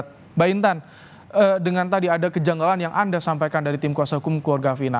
mbak intan dengan tadi ada kejanggalan yang anda sampaikan dari tim kuasa hukum keluarga fina